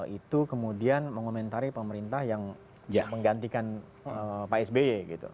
itu kemudian mengomentari pemerintah yang menggantikan pak sby gitu